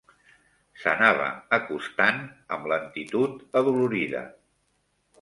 S'anava acostant amb lentitud adolorida.